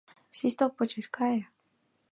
Свисток почеш кае!